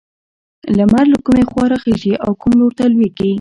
لمر له کومې خوا راخيژي او کوم لور ته لوېږي؟